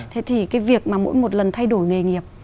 thế thì cái việc mà mỗi một lần thay đổi nghề nghiệp